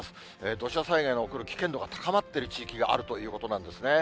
土砂災害の起こる危険度が高まっている地域があるということなんですね。